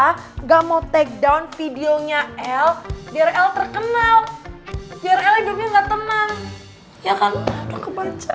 enggak mau takedown videonya l biar l terkenal biar l hidupnya nggak tenang ya kan